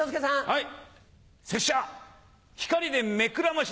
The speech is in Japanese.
はい。